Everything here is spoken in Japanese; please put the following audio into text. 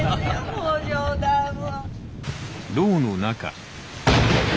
もうご冗談を。